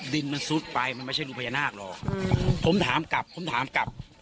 ดินมันซุดไปมันไม่ใช่รูพญานาคหรอกผมถามกลับผมถามกลับ